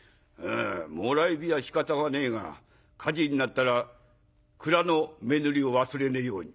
もらい火はしかたがねえが火事になったら蔵の目塗りを忘れねえように。